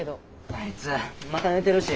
あいつまた寝てるし。